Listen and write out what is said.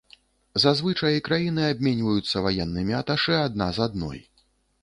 Зазвычай краіны абменьваюцца ваеннымі аташэ адна з адной.